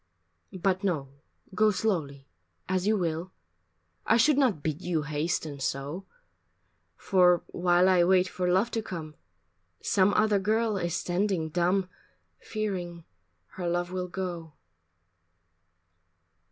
... But no, go slowly as you will, I should not bid you hasten so, For while I wait for love to come, Some other girl is standing dumb, Fearing her love will go.